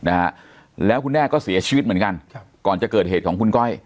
นะฮะแล้วคุณแม่ก็เสียชีวิตเหมือนกันครับก่อนจะเกิดเหตุของคุณก้อย